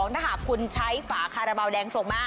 ถ้าหากคุณใช้ฝาคาราบาลแดงส่งมา